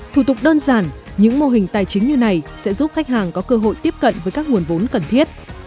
thủ tục đơn giản những mô hình tài chính như này sẽ giúp khách hàng có cơ hội tiếp cận với các nguồn vốn cần thiết